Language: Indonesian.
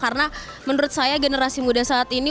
karena menurut saya generasi muda saat ini